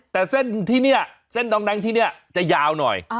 แต่เส้นที่เนี้ยเส้นดองแดงที่เนี้ยจะยาวหน่อยอ๋อ